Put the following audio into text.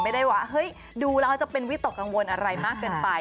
ไม่ได้ว่าเฮ้ยดูแล้วจะเป็นวิตกกังวลอะไรมากเกินไป